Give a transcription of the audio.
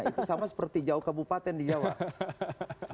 itu sama seperti jauh kabupaten di jawa